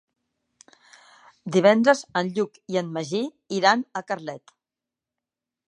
Divendres en Lluc i en Magí iran a Carlet.